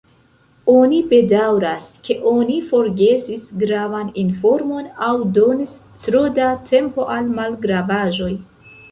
Oni bedaŭras, ke oni forgesis gravan informon, aŭ donis tro da tempo al malgravaĵoj.